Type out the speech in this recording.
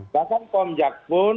bahkan komjak pun